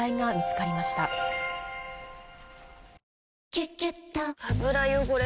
「キュキュット」油汚れ